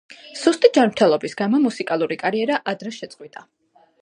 სუსტი ჯანმრთელობის გამო მუსიკალური კარიერა ადრე შეწყვიტა.